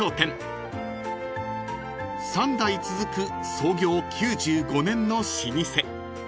［３代続く創業９５年の老舗］